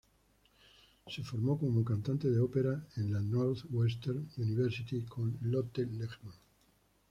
Se formó como cantante de ópera en la Northwestern University con Lotte Lehmann.